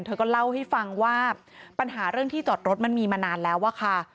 เธอก็เล่าให้ฟังว่าปัญหาเรื่องที่จอดรถมันมีมานานแล้วอะค่ะ